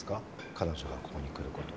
彼女がここに来ること。